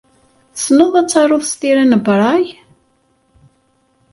Tessneḍ ad taruḍ s tira n Braille?